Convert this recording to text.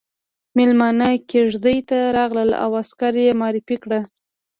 ميلمانه کېږدۍ ته راغلل او عسکره يې معرفي کړه.